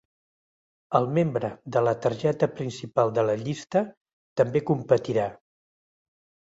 El membre de la targeta principal de la llista també competirà.